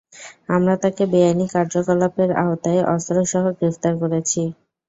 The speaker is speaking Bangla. আমরা তাকে বেআইনি কার্যকলাপের আওতায় অস্ত্রসহ গ্রেফতার করেছি।